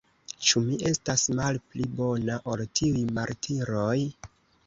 Ĉu mi estas malpli bona, ol tiuj martiroj?